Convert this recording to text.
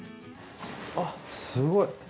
あすごい。